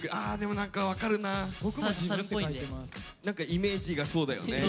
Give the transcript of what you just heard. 何かイメージがそうだよね。